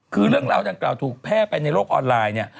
คือเรื่องราวจากกล่าวถูกแพ่ไปในโรคออนไลน์